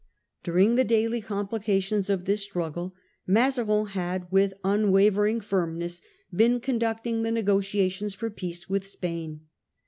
During the daily complications of this struggle Maza rin had with unwavering firmness been conducting the The war negotiations for peace with Spain.